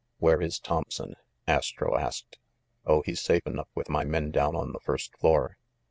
"Where is Thompson?" Astro asked. "Oh, he's safe enough with my men down on the first floor."